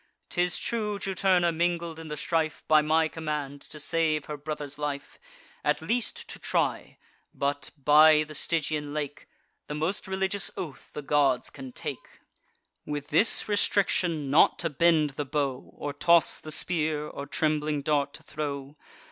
'Tis true, Juturna mingled in the strife By my command, to save her brother's life, At least to try; but, by the Stygian lake, (The most religious oath the gods can take,) With this restriction, not to bend the bow, Or toss the spear, or trembling dart to throw.